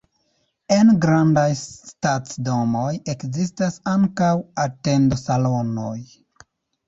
En grandaj stacidomoj ekzistas ankaŭ atendo-salonoj.